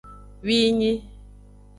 Winyi.